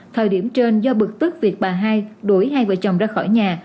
thời điểm trên do bực tức việc bà hai đổi hai vợ chồng ra khỏi nhà